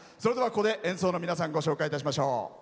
ここで演奏者の皆さんご紹介いたしましょう。